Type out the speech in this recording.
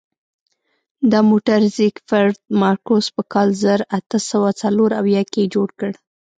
دا موټر زیکفرد مارکوس په کال زر اته سوه څلور اویا کې جوړ کړ.